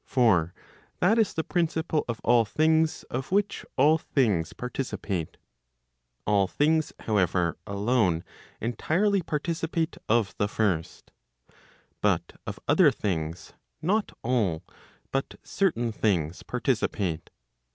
For that is the principle of all things of which all things partici¬ pate. All things however alone entirely participate of the first; but of other things not all, but certain things participate.